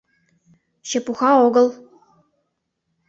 Чепуха огыл.